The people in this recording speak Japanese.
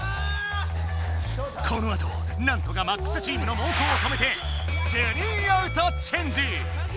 このあとなんとかＭＡＸチームの猛攻をとめて３アウトチェンジ！